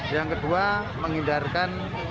yang kedua menghindarkan